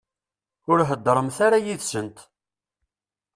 Ur heddṛemt ara yid-sent.